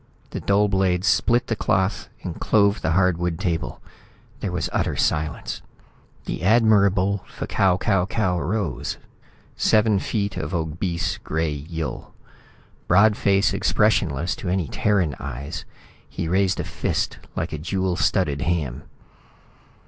The dull blade split the cloth and clove the hardwood table. There was utter silence. The Admirable F'Kau Kau Kau rose, seven feet of obese gray Yill. Broad face expressionless to any Terran eyes, he raised a fist like a jewel studded ham.